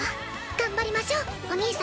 頑張りましょうお兄様。